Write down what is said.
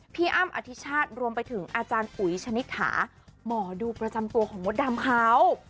อ้ำอธิชาติรวมไปถึงอาจารย์อุ๋ยชนิษฐาหมอดูประจำตัวของมดดำเขา